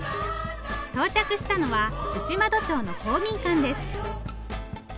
到着したのは牛窓町の公民館です。